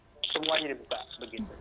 jangan semuanya dibuka begitu